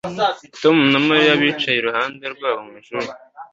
Tom na Mariya bicaye iruhande rwabo mu ishuri